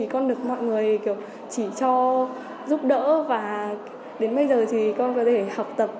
con được mọi người chỉ cho giúp đỡ và đến bây giờ thì con có thể học tập